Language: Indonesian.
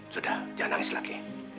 sudah jangan nangis lagi